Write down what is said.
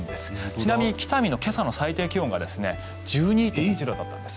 ちなみに北見の今朝の最低気温が１２．１度だったんです。